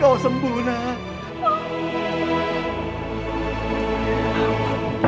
kau sembuh nak